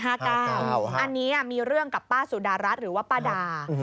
อันนี้มีเรื่องกับป้าสุดารัฐหรือว่าป้าดา